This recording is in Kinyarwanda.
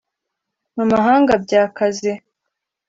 Mu mahanga byakaze